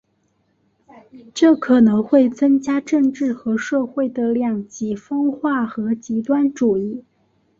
这可能会增加政治和社会的两极分化和极端主义。